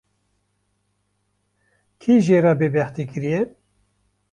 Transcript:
Kî jê re bêbextî kiriye